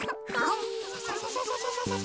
ササササ。